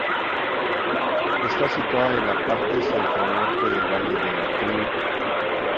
Está situada en la parte centro-norte del Valle de Lecrín.